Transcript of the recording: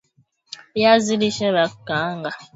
Viazi lishe vya kukaanga